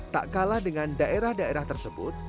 tak kalah dengan daerah daerah tersebut